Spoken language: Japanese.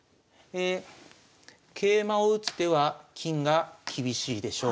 桂馬を打つ手は金が厳しいでしょう。